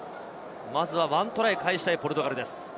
まずは１トライ返したいポルトガルです。